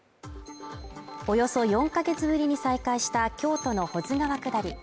およそ４ヶ月ぶりに再開した京都の保津川下り